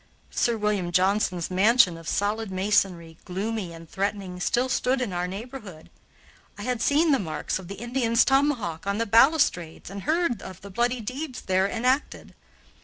Sir William Johnson's mansion of solid masonry, gloomy and threatening, still stood in our neighborhood. I had seen the marks of the Indian's tomahawk on the balustrades and heard of the bloody deeds there enacted.